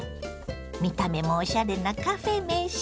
見た目もおしゃれなカフェ飯。